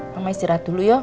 mama istirahat dulu yuk